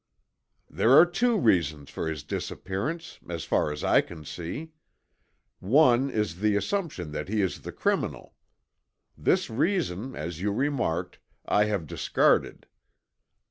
"There are two reasons for his disappearance, as far as I can see. One is the assumption that he is the criminal. This reason, as you remarked, I have discarded.